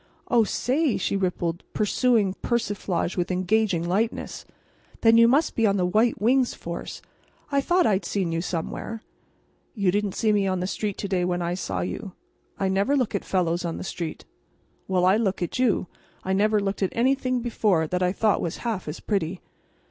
"Oh, say!" she rippled, pursuing persiflage with engaging lightness, "then you must be on the White Wings force. I thought I'd seen you somewhere." "You didn't see me on the street to day when I saw you." "I never look at fellows on the street." "Well, I looked at you; and I never looked at anything before that I thought was half as pretty."